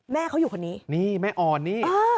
แม่เขาอยู่คนนี้นี่แม่อ่อนนี่